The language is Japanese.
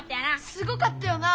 すごかったよな